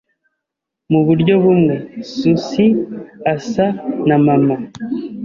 Mu buryo bumwe, Susie asa na mama.